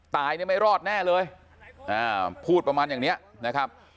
ตายเนี่ยไม่รอดแน่เลยพูดประมาณอย่างนี้นะครับ